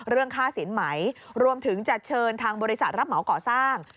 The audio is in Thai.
เรื่องค่าสินไหมรวมถึงจะเชิญทางบริษัทรับเหมาก่อสร้าง